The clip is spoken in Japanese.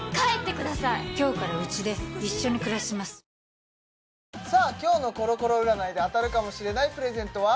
ニトリさあ今日のコロコロ占いで当たるかもしれないプレゼントは？